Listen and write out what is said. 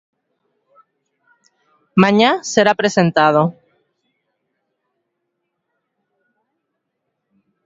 Mañá será presentado.